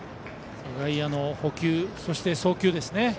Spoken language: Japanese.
外野の捕球そして送球ですね。